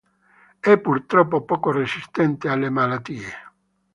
È purtroppo poco resistente alle malattie.